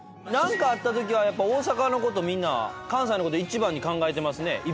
何かあったときはやっぱ大阪のことみんな関西のこと一番に考えてますね。